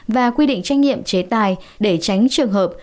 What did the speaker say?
và quy định trách nhiệm chế tài để tránh trường hợp